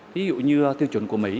ví dụ như tiêu chuẩn của mỹ